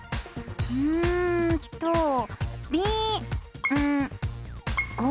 うんと「びんご」？